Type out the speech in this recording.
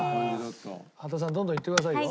羽田さんどんどんいってくださいよ。